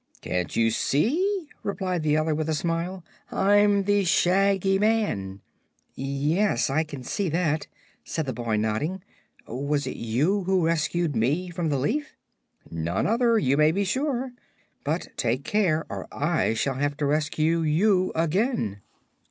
"Can't you see?" replied the other, with a smile; "I'm the Shaggy Man." "Yes; I can see that," said the boy, nodding. "Was it you who rescued me from the leaf?" "None other, you may be sure. But take care, or I shall have to rescue you again."